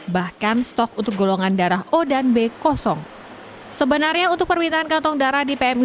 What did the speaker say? bahkan stok untuk golongan darah o dan b kosong sebenarnya untuk permintaan kantong darah di pmi